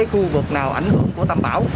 khu vực nào ảnh hưởng của tấm bão